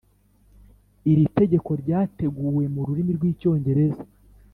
Iri tegeko ryateguwe mu rurimi rw icyongereza